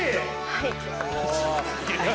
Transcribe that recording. はい。